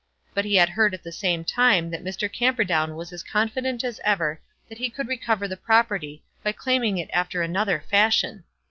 But he had heard at the same time that Mr. Camperdown was as confident as ever that he could recover the property by claiming it after another fashion.